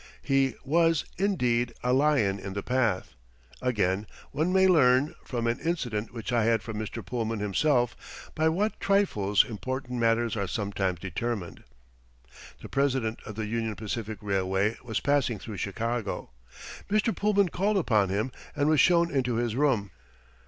He was, indeed, a lion in the path. Again, one may learn, from an incident which I had from Mr. Pullman himself, by what trifles important matters are sometimes determined. The president of the Union Pacific Railway was passing through Chicago. Mr. Pullman called upon him and was shown into his room.